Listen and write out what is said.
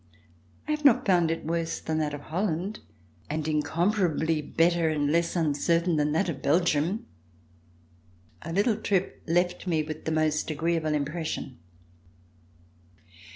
I have not found it worse than that of Holland, and incomparably better and less uncertain than that of Belgium. Our little trip left with me the most agreeable impression.